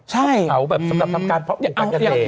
ใช่คือเผาแบบสำหรับทำการเพราะอุปัติเจติ